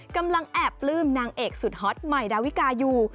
กำลังแอบปลื้มนางเอกสุดฮอตใหม่ดาวิกาอยู่